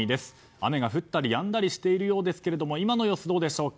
雨が降ったりやんだりしているようですけれども今の様子、どうでしょうか。